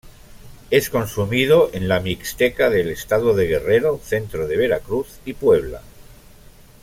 Es consumido en la Mixteca del estado de Guerrero, centro de Veracruz y Puebla.